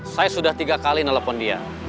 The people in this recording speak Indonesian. saya sudah tiga kali nelfon dia